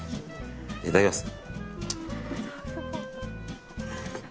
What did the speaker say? いただきます。